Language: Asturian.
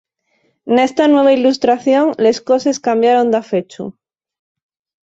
Nesta nueva ilustración les coses cambiaron dafechu.